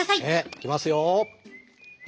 いきますよ。